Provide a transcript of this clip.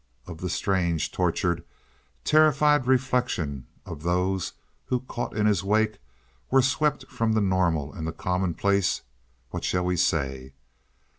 Of the strange, tortured, terrified reflection of those who, caught in his wake, were swept from the normal and the commonplace, what shall we say?